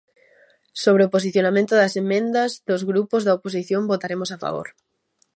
Sobre o posicionamento das emendas dos grupos da oposición, votaremos a favor.